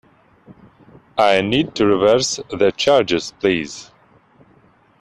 I need to reverse the charges, please